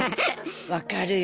分かるよ。